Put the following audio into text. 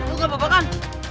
jok lu gak apa apa kan